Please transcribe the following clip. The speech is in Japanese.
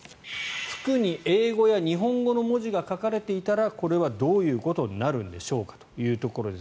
服に英語や日本語の文字が書かれていたらこれはどういうことになるんでしょうかということです。